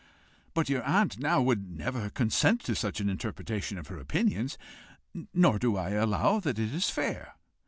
"But your aunt now would never consent to such an interpretation of her opinions. Nor do I allow that it is fair."